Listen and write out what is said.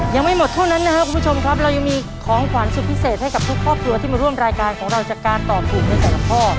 ยังไม่หมดเท่านั้นนะครับคุณผู้ชมครับเรายังมีของขวัญสุดพิเศษให้กับทุกครอบครัวที่มาร่วมรายการของเราจากการตอบถูกในแต่ละข้อ